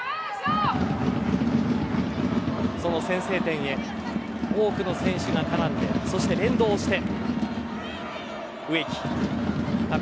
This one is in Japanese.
先制点へ、多くの選手が絡んでそして連動して。